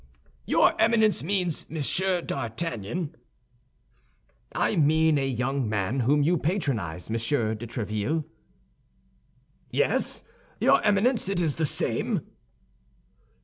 "Your Eminence means Monsieur d'Artagnan." "I mean a young man whom you patronize, Monsieur de Tréville." "Yes, your Eminence, it is the same."